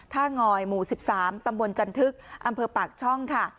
งอยหมู่๑๓ตำบลจันทึกอำเภอปากช่องค่ะ